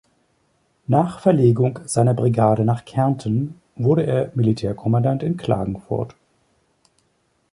Nach Verlegung seiner Brigade nach Kärnten wurde er Militärkommandant in Klagenfurt.